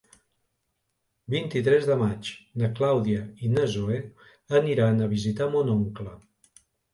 El vint-i-tres de maig na Clàudia i na Zoè aniran a visitar mon oncle.